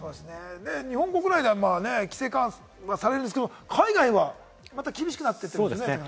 日本国内では規制緩和されるんですけれども、海外はまた厳しくなってるんですよね？